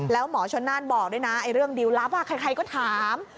แล้วหมอชนน่านบอกด้วยนะเรื่องดิวลลับใครก็ถาม